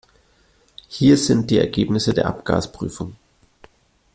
Hier sind die Ergebnisse der Abgasprüfung.